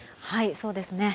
そうですね。